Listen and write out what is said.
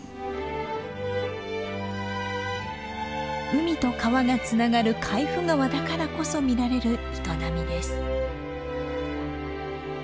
海と川がつながる海部川だからこそ見られる営みです。